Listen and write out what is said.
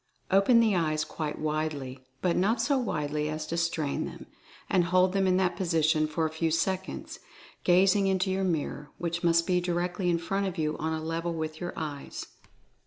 Open the eyes quite widely, but not so widely as to strain them, and hold them in that position for a few seconds, gazing into your mirror, which must be directly in front of you on a level with your eyes.